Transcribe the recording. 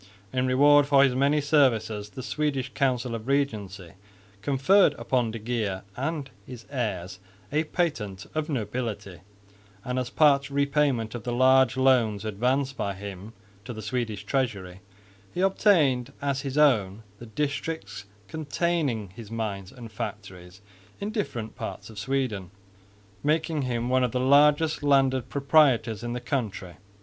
In reward for his many services the Swedish Council of Regency conferred upon de Geer and his heirs a patent of nobility (August 4,1641); and as part repayment of the large loans advanced by him to the Swedish treasury he obtained as his own the districts containing his mines and factories in different parts of Sweden, making him one of the largest landed proprietors in the country.